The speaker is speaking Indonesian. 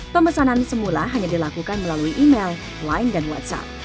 pemesanan semula hanya dilakukan melalui email line dan whatsapp